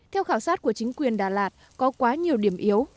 theo khảo sát của chính quyền đà lạt có quá nhiều điểm yếu